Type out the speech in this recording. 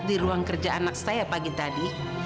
di ruang kerja anak saya pagi tadi